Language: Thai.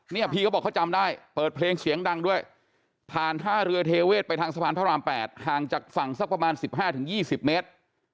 พี่เขาบอกเขาจำได้เปิดเพลงเสียงดังด้วยผ่านท่าเรือเทเวศไปทางสะพานพระราม๘ห่างจากฝั่งสักประมาณ๑๕๒๐เมตร